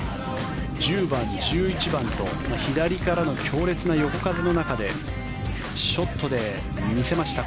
１０番、１１番と左からの強烈な横風の中でショットで見せました。